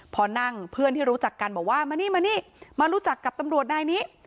พอนั่งเพื่อนที่รู้จักกันบอกว่ามานี่มานี่มารู้จักกับตำรวจนายนี้